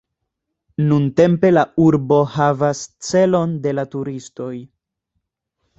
Nuntempe la urbo havas celon de la turistoj.